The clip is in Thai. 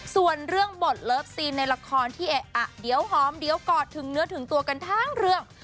ส่วนเรื่องบทเลิฟซีนในละครที่เอ๊ะอ่ะเดี๋ยวหอมเดี๋ยวกอดถึงเนื้อถึงตัวกันทั้งเรื่อง